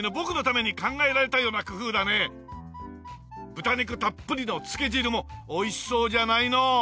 豚肉たっぷりのつけ汁もおいしそうじゃないの！